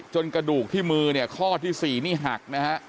จนกระดูกที่มือข้อที่สี่นี่หัก